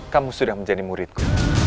kamu sudah menjadi muridku